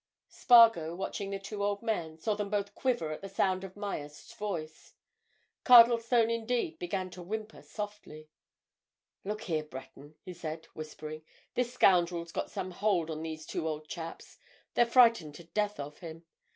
Spargo, watching the two old men, saw them both quiver at the sound of Myerst's voice; Cardlestone indeed, began to whimper softly. "Look here, Breton," he said, whispering, "this scoundrel's got some hold on these two old chaps—they're frightened to death of him.